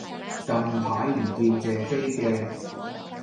近排唔見謝飛嘅